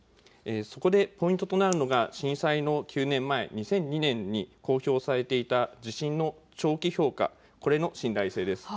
そこでポイントとなるのが震災の９年前、２００２年に公表されていた地震の長期評価、これの信頼性です。